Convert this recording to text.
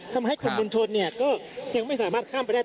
ทำให้กลุ่มมวลชนเนี่ยก็ยังไม่สามารถข้ามไปได้